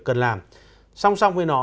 cần làm song song với nó